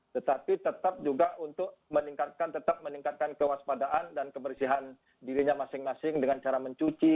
tetapi tetap juga untuk meningkatkan tetap meningkatkan kewaspadaan dan kebersihan dirinya masing masing dengan cara mencuci